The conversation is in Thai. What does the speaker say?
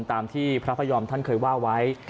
ตามที่พระพยอมท่านเคยว่าไว้